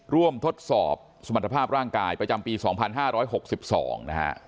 ทดสอบสมรรถภาพร่างกายประจำปี๒๕๖๒นะฮะ